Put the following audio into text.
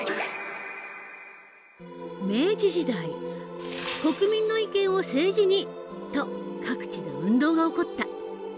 明治時代「国民の意見を政治に！」と各地で運動が起こった。